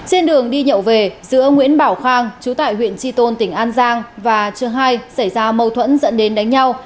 trên đường đi nhậu về giữa nguyễn bảo khang chú tại huyện tri tôn tỉnh an giang và trường hai xảy ra mâu thuẫn dẫn đến đánh nhau